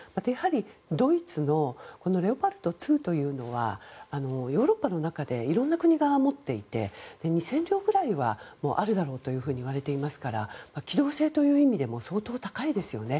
ドイツのレオパルト２というのはヨーロッパの中でいろんな国が持っていて２０００両ぐらいはあるだろうといわれていますから機能性という意味でも相当、高いですよね。